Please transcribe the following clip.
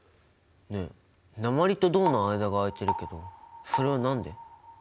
ねえ鉛と銅の間が空いているけどそれは何で？